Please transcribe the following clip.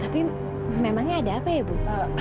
tapi memang enggak ada apa ya bu